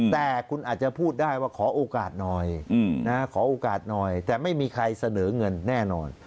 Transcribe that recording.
แต่คุณอาจจะพูดได้ว่าขอโอกาสหน่อยขอโอกาสหน่อยแต่ไม่มีใครเสนอเงินแน่นอน